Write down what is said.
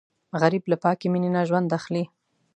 غریب له پاکې مینې نه ژوند اخلي